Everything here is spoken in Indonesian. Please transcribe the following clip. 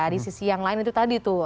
di sisi yang lain itu tadi tuh